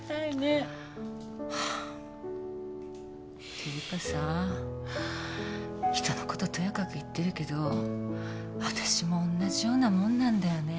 っていうかさ人のこととやかく言ってるけど私もおんなじようなもんなんだよね。